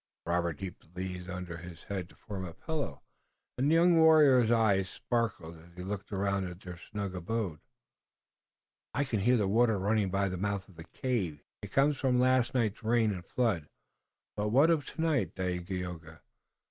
Robert heaped the leaves under his head to form a pillow, and the young warrior's eyes sparkled as he looked around at their snug abode. "I can hear the water running by the mouth of the cave," he said. "It comes from last night's rain and flood, but what of tonight, Dagaeoga?